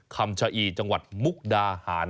คำชะอีจังหวัดมุกดาหาร